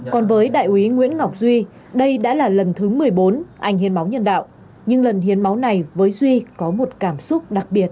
còn với đại úy nguyễn ngọc duy đây đã là lần thứ một mươi bốn anh hiến máu nhân đạo nhưng lần hiến máu này với duy có một cảm xúc đặc biệt